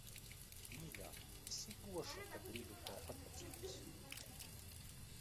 Mīļā, esi droša, ka gribi te atrasties?